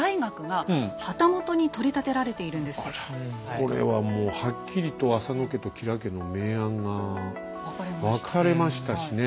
これはもうはっきりと浅野家と吉良家の明暗が分かれましたしね。